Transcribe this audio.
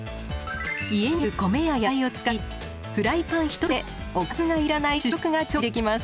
家にある米や野菜を使いフライパン１つでおかずがいらない主食が調理できます。